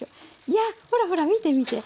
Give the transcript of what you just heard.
いやほらほら見て見て！